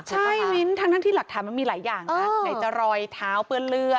ใช่มิ้นทั้งที่หลักฐานมันมีหลายอย่างนะไหนจะรอยเท้าเปื้อนเลือด